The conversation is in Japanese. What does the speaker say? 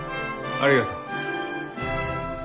ありがとう。